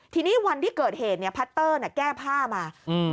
ทีนี้วันที่เกิดเหตุเนี่ยพัตเตอร์แก้ผ้ามา